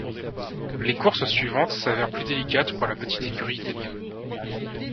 Les courses suivantes s'avèrent plus délicates pour la petite écurie italienne.